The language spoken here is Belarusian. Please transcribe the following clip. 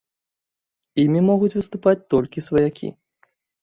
Імі могуць выступаць толькі сваякі.